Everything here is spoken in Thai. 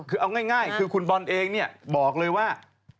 คือเอาง่ายคือคุณบอลเองเนี่ยบอกเลยว่า